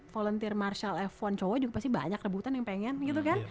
volunteer marshall f satu cowok juga pasti banyak rebutan yang pengen gitu kan